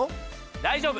大丈夫！